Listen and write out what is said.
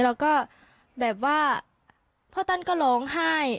แล้วก็แบบว่าพ่อท่านก็ร้องไห้